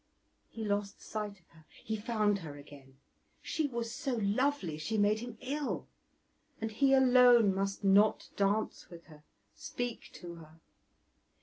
He lost sight of her; he found her again. She was so lovely she made him ill, and he alone must not dance with her, speak to her.